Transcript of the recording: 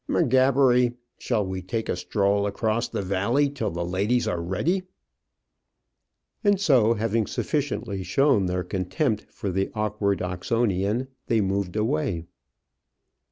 "M'Gabbery, shall we take a stroll across the valley till the ladies are ready?" And so, having sufficiently shown their contempt for the awkward Oxonian, they moved away.